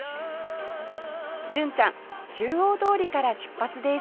純ちゃん中央通りから出発です